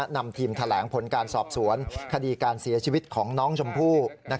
นำทีมแถลงผลการสอบสวนคดีการเสียชีวิตของน้องชมพู่